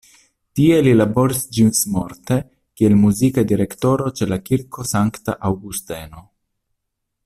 Tie li laboris ĝismorte kiel muzika direktoro ĉe la Kirko Sankta Aŭgusteno.